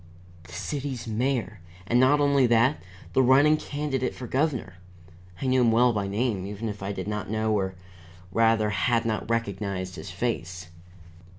The city's mayor! and not only that, the running candidate for governor. I knew him well by name, even if I did not know, or rather had not recognized his face.